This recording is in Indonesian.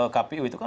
kpu itu kan